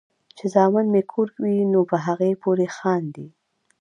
چې زامن مې کور وي نو پۀ هغې پورې خاندي ـ